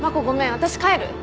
私帰る。